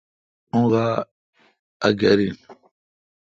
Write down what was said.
اں گا اگر این۔